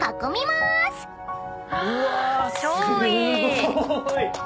すごーい！